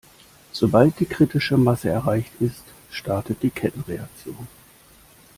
Sobald die kritische Masse erreicht ist, startet die Kettenreaktion.